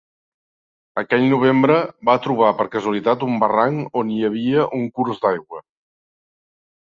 Aquell novembre va trobar per casualitat un barranc on hi havia un curs d'aigua.